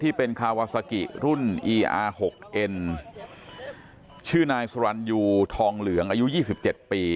ที่เป็นคาวาซากิรุ่นอีอาร์หกเอ็นชื่อนายสรรยูทองเหลืองอายุยี่สิบเจ็ดปี